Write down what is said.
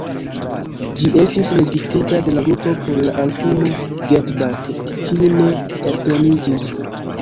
Ĝi estis registrita de la grupo por la albumo "Get Back", kiu ne eldoniĝis.